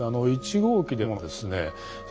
１号機でもですね